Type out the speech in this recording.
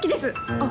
あっ